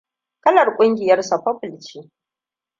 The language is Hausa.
Kalar ƙungiyarsa purple ce.